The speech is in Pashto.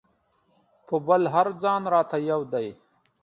په بل هم ځان راته یو دی.